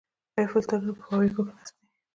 آیا فلټرونه په فابریکو کې نصب دي؟